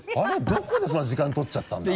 どこでそんな時間取っちゃったんだろう？